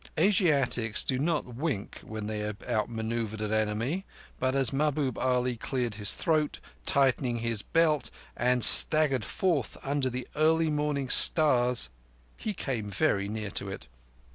Asiatics do not wink when they have outmanoeuvred an enemy, but as Mahbub Ali cleared his throat, tightened his belt, and staggered forth under the early morning stars, he came very near to it.